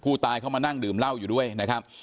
ผู้ตายเข้ามานั่งดื่มเหล้าอยู่ด้วยนะครับ